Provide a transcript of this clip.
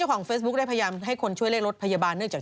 ลูกไงไม่ควรเอารูกมา